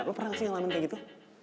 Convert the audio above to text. lo pernah gak sih ngalamin kayak gitu